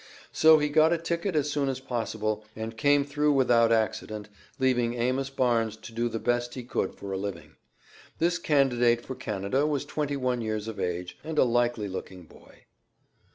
So he got a ticket as soon as possible, and came through without accident, leaving Amos Barnes to do the best he could for a living. This candidate for Canada was twenty one years of age, and a likely looking boy.